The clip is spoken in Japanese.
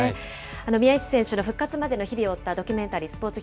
宮市選手の復活までの日々を追ったドキュメンタリー、スポーツ×